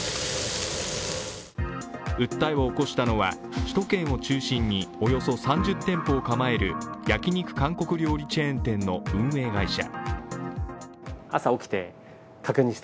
訴えを起こしたのは首都圏を中心におよそ３０店舗を構える焼き肉韓国料理チェーン店の運営会社。